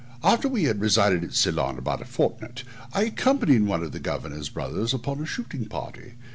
After we had resided at Ceylon about a fortnight I accompanied one of the governor's brothers upon a shooting party.